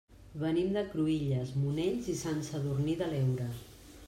Venim de Cruïlles, Monells i Sant Sadurní de l'Heura.